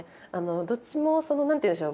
どっちも何て言うんでしょう